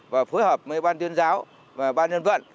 và phối hợp với ban tuyên giáo và ban dân vận